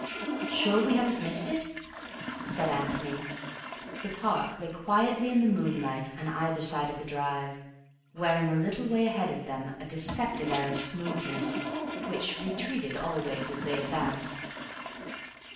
"Sure we haven't missed it?" said Antony. The park lay quietly in the moonlight on either side of the drive, wearing a little way ahead of them a deceptive air of smoothness which retreated always as they advanced.